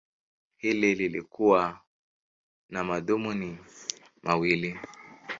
Hili lilikuwa na madhumuni mawili.